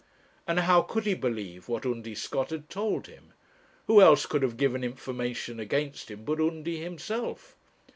And how could he believe what Undy Scott had told him? Who else could have given information against him but Undy himself?